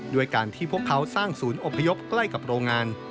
ด้วยการที่พวกเขาสร้างศูนย์อบพยพใกล้กับโรงงาน